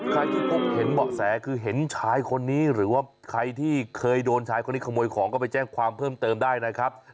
ใครที่พบเห็นเบาะแสคือเห็นชายคนนี้หรือว่าใครที่เคยโดนชายคนนี้ขโมยของก็ไปแจ้งความเพิ่มเติมได้นะครับ